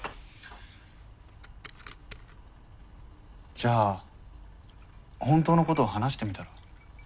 じゃあ本当のこと話してみたら？